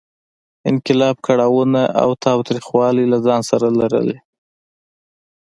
انقلاب کړاوونه او تاوتریخوالی له ځان سره لرلې.